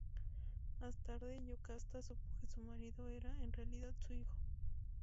Más tarde, Yocasta supo que su marido era en realidad su hijo.